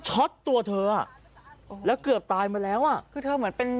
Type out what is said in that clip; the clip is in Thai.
ตัวเธออ่ะแล้วเกือบตายมาแล้วอ่ะคือเธอเหมือนเป็น